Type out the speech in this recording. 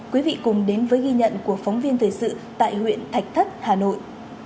quý vị cùng đến với ghi nhận của phóng viên thời sự tại huyện thạch thất hà nội